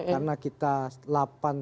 karena kita delapan tahun